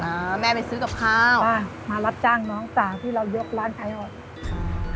อ่าแม่ไปซื้อกับข้าวอ่ามารับจ้างน้องสาวที่เรายกร้านขายออกค่ะ